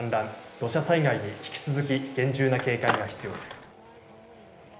土砂災害に引き続き厳重な警戒が必要です。